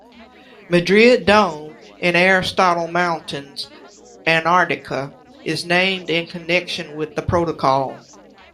Madrid Dome in Aristotle Mountains, Antarctica is named in connection with the Protocol.